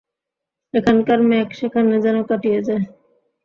এখানকার মেঘ সেখানে যেন কাটিয়া যায়।